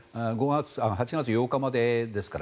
８月８日までですから。